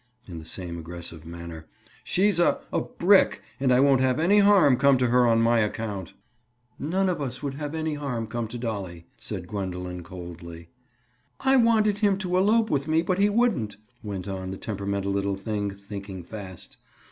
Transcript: In the same aggressive manner. "She's a—a brick and I won't have any harm come to her on my account." "None of us would have any harm come to Dolly," said Gwendoline coldly. "I wanted him to elope with me, but he wouldn't," went on the temperamental little thing, thinking fast.